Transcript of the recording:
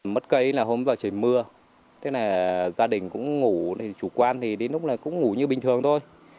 mất cây là hôm đó trời mưa thế này gia đình cũng ngủ chủ quan thì đến lúc này cũng ngủ như bình thường thôi